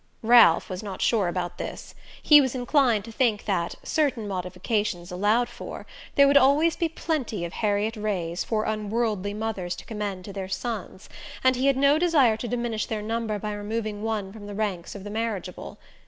Ralph was not sure about this. He was inclined to think that, certain modifications allowed for, there would always be plenty of Harriet Rays for unworldly mothers to commend to their sons; and he had no desire to diminish their number by removing one from the ranks of the marriageable.